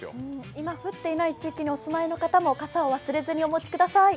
今降っていない地域にお住まいの方も、傘を忘れずにお持ちください。